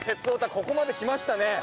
ここまできましたね。